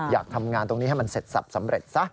อยากทำงานตรงนี้ให้มันเสร็จสับสำเร็จซะ